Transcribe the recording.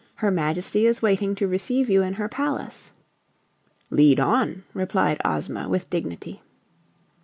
Her Majesty is waiting to receive you in her palace." "Lead on," replied Ozma with dignity.